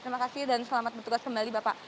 terima kasih dan selamat bertugas kembali bapak